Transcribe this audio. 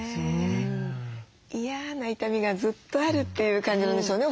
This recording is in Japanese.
嫌な痛みがずっとあるという感じなんでしょうね